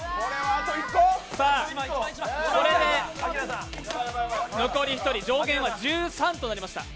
これで残り１人、上限は１３となりました。